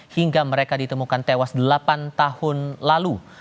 hingga mereka ditemukan tewas delapan tahun lalu